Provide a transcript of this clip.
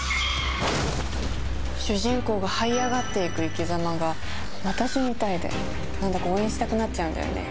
主人公がはい上がっていく生きざまが私みたいで何だか応援したくなっちゃうんだよね。